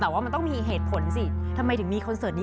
แต่ว่ามันต้องมีเหตุผลสิทำไมถึงมีคอนเสิร์ตนี้